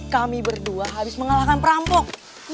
kami berdua harus mengalahkan perampok